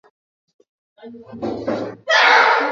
watu waliyoathirika wanatakiwa kuonyeshwa upendo mkubwa sana